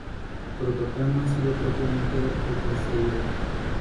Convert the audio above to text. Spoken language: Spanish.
El proto-kwa no ha sido propiamente reconstruido.